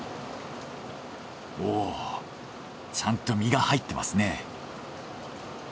おっちゃんと身が入ってますね。